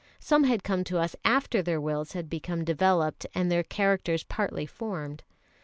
Some had come to us after their wills had become developed and their characters partly formed.